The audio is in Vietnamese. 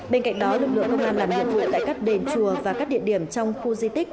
bên cạnh đó lực lượng công an làm nhiệm vụ tại các đền chùa và các địa điểm trong khu di tích